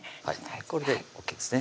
これでＯＫですね